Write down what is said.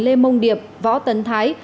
lê mông điệp võ tấn thái